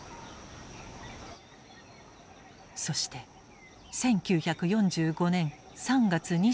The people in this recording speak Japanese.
そして１９４５年３月２７日。